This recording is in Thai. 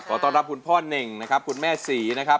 ขอตอบรับคุณพ่อเน่งคุณแม่สีนะครับ